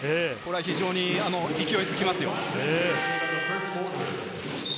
非常に勢いづきますよ。